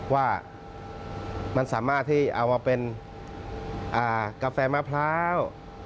ว่ามันสามารถที่เอามาเป็นกาแฟมะพร้าว